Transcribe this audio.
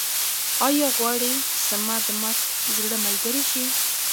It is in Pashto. ایا غواړې چې زما د مات زړه ملګرې شې؟